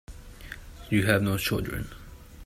You have no children.